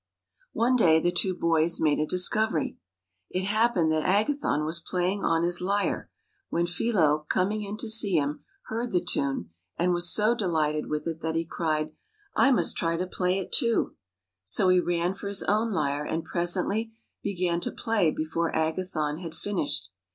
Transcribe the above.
One day the two boys made a discovery. It happened that Agathon was playing on his lyre, when Philo, coming in to see him, heard the tune, and was so delighted with it that he cried, " I must try to 82 THE PALACE MADE BY MUSIC play it, too." So he ran for his own lyre, and presently began to play before Agathon had finished.